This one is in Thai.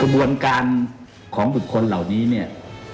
กระบวนการของหมุนคนหลัวนี้เนี่ย